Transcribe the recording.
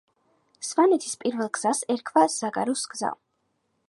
სვანეთის პირველი გზას ერქვა ზაგაროს გზა